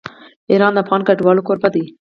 ایران د افغان کډوالو کوربه دی.